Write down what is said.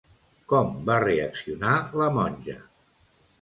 Com va reaccionar la monja?